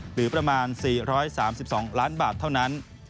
หรือประมาณ๔๓๒ล้านบาทเท่านั้น